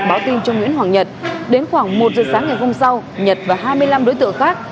báo tin cho nguyễn hoàng nhật đến khoảng một giờ sáng ngày hôm sau nhật và hai mươi năm đối tượng khác